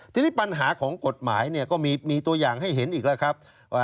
ทีนี้ปัญหาของกฎหมายเนี่ยก็มีตัวอย่างให้เห็นอีกแล้วครับ